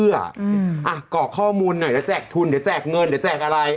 อ่ะกรอกข้อมูลหน่อยแล้วแจกทุนเดี๋ยวแจกเงินเดี๋ยวแจกอะไร